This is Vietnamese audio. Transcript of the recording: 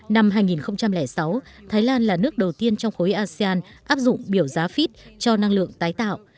năm hai nghìn sáu thái lan là nước đầu tiên trong khối asean áp dụng biểu giá fit cho năng lượng tái tạo